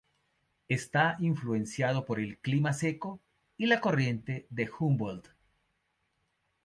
Está influenciado por el clima seco y la Corriente de Humboldt.